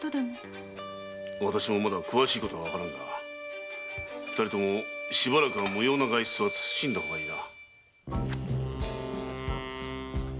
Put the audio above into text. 私もまだ詳しいことはわからぬが二人ともしばらくは無用な外出は慎んだほうがいいな。